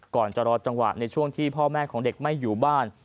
ก่อนจะรอจังหวะในช่วงที่พ่อแม่ของเด็กไม่อยู่บ้าน